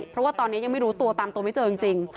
เพราะว่าตอนนี้ยังไม่รู้ตัวตามตัวไม่เจอจริง